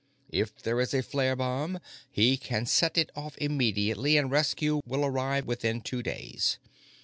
"If there is a flare bomb, he can set it off immediately, and rescue will arrive within two days.